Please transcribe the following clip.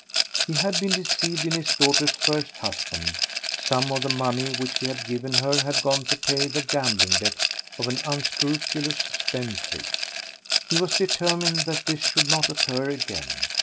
He had been deceived in his daughter's first husband; some of the money which he had given her had gone to pay the gambling debts of an unscrupulous spendthrift. He was determined that this should not occur again.